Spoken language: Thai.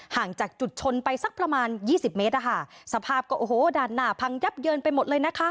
ห่างจากจุดชนไป๒๐เมตรสภาพก็ด่านหน้าพังยับเยินไปหมดเลย